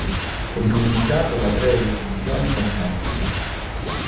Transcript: È delimitato da tre recinzioni concentriche.